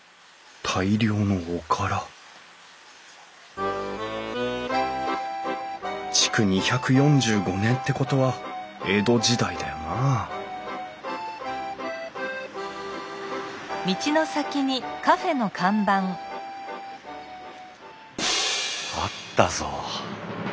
大量のおから築２４５年ってことは江戸時代だよなあったぞ！